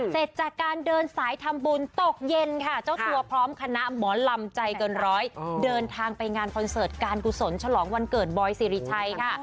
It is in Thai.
เสร็จจากการเดินสายทำบุญตกเย็นค่ะเจ้าตัวพร้อมคณะหมอลำใจเกินร้อยเดินทางไปงานคอนเสิร์ตการกุศลฉลองวันเกิดบอยสิริชัยค่ะ